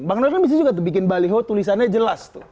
bang noel bisa juga bikin baliho tulisannya jelas tuh